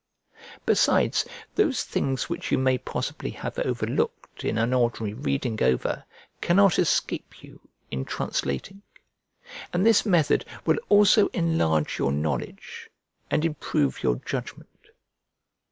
Besides, those things which you may possibly have overlooked in an ordinary reading over cannot escape you in translating: and this method will also enlarge your knowledge, and improve your judgment.